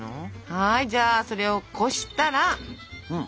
はいじゃあそれをこしたら完成。